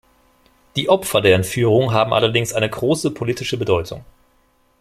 Die Opfer der Entführung haben allerdings ein große politische Bedeutung.